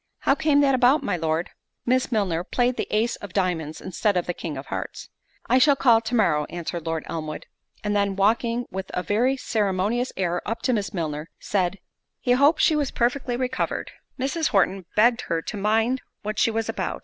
"How came that about, my Lord?" Miss Milner played the ace of diamonds instead of the king of hearts. "I shall call to morrow," answered Lord Elmwood; and then walking with a very ceremonious air up to Miss Milner, said, "He hoped she was perfectly recovered." Mrs. Horton begged her "To mind what she was about."